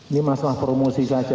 ini masalah promosi saja